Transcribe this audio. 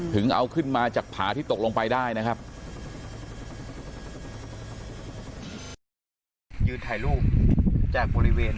ถึงเอาขึ้นมาจากผาที่ตกลงไปได้นะครับ